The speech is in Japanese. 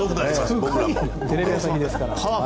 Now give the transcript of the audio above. テレビ朝日ですから。